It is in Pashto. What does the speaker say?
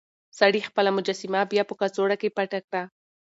سړي خپله مجسمه بيا په کڅوړه کې پټه کړه.